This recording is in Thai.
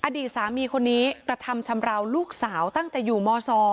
อดีตสามีคนนี้กระทำชำราวลูกสาวตั้งแต่อยู่ม๒